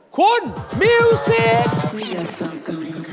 คุณมิวซิก